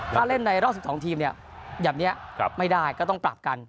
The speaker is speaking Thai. ถ้าเล่นใน๒๐๑๒ทีมเนี่ยอย่างนี้ไม่ได้ก็ต้องปรับกัน